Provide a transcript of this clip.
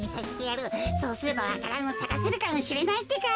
そうすればわか蘭をさかせるかもしれないってか。